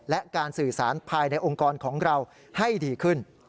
และการสื่อสารภายในองค์กรของเราให้ดีขึ้น